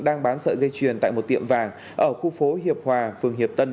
đang bán sợi dây chuyền tại một tiệm vàng ở khu phố hiệp hòa phường hiệp tân